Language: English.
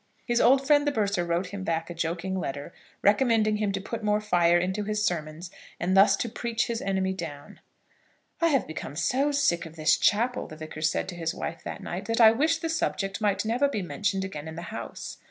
His old friend the Bursar wrote him back a joking letter, recommending him to put more fire into his sermons and thus to preach his enemy down. "I have become so sick of this chapel," the Vicar said to his wife that night, "that I wish the subject might never be mentioned again in the house."